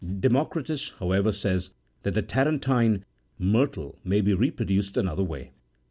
Democritus, however, says that the Tarentine myrtle may be re produced another way.